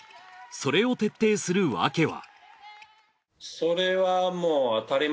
それを徹底する訳は？